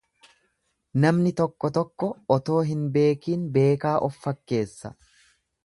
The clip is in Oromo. Namni tokko tokko otoo hin beekiin beekaa of fakkeessa.